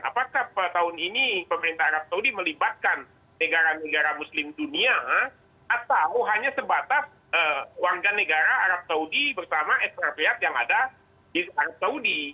apakah tahun ini pemerintah arab saudi melibatkan negara negara muslim dunia atau hanya sebatas warga negara arab saudi bersama ekstrapiat yang ada di arab saudi